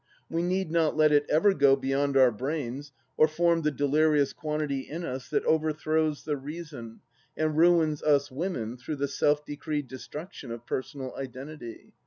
We need not let it ever go beyond our brains or form the delirious quantity in us that overthrows the reason and ruins us women through the self decreed destruction of personal identity.